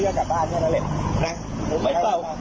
ทำให้กลับมาเมื่อรอยังเข้าที่อธิบดฤทธิบด